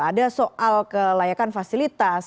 ada soal kelayakan fasilitas